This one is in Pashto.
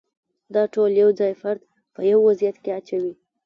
دا ټول یو ځای فرد په یو وضعیت کې اچوي.